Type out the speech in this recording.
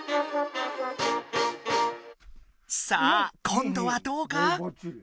さあこんどはどうか？